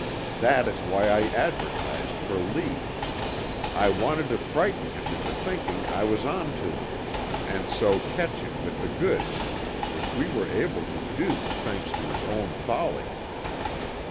That is why I advertised for Lee. I wanted to frighten him into thinking I was on to him and so catch him with the goods, which we were able to do, thanks to his own folly."